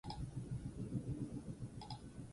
Homofobia terminoa ez da hertsiki psikologikoa.